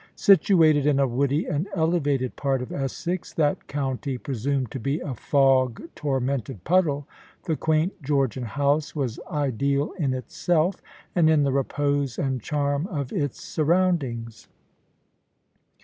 Situated in a woody and elevated part of Essex that county presumed to be a fog tormented puddle the quaint Georgian house was ideal in itself, and in the repose and charm of its surroundings.